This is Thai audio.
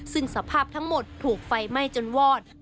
ซึ่งสภาพทั้งหมดถูกไฟไหม้จนวอด